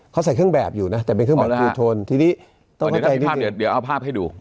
เขาใส่เครื่องแบบอยู่น่ะแต่เป็นเครื่องแบบทีนี้เดี๋ยวเอาภาพให้ดู